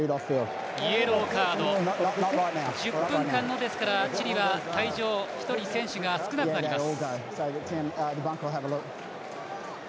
１０分間の、チリは退場、１人選手が少なくなります。